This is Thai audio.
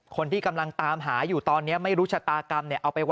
คนที่กำลังตามหาอยู่ตอนนี้ไม่รู้ชะตากรรม